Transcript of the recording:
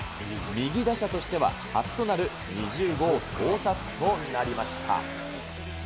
右打者としては初となる２０号到達となりました。